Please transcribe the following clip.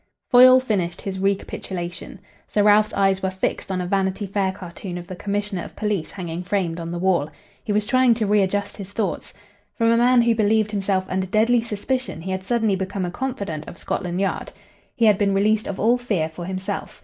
Foyle finished his recapitulation. Sir Ralph's eyes were fixed on a "Vanity Fair" cartoon of the Commissioner of Police hanging framed on the wall. He was trying to readjust his thoughts. From a man who believed himself under deadly suspicion he had suddenly become a confidant of Scotland Yard. He had been released of all fear for himself.